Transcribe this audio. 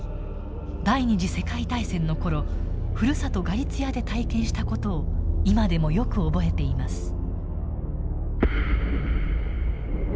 第二次世界大戦の頃ふるさとガリツィアで体験した事を今でもよく覚えています。